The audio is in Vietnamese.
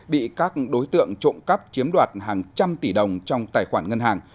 bị các đối tượng trộm cắp chiếm đoạt hàng trăm tỷ đồng trong tài khoản ngân hàng